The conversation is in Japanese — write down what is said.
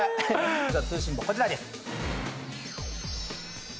通信簿こちらです。